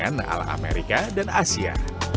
al amerika dan asia